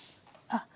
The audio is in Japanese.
あっ。